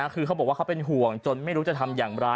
คือเขาบอกว่าเขาเป็นห่วงจนไม่รู้จะทำอย่างไร